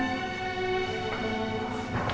bahkanae berganteng akan dua x uang